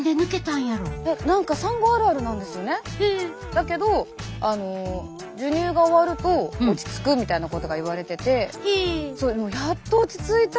だけど授乳が終わると落ち着くみたいなことが言われててやっと落ち着いた。